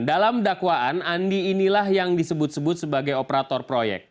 dalam dakwaan andi inilah yang disebut sebut sebagai operator proyek